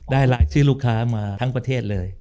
รายชื่อลูกค้ามาทั้งประเทศเลย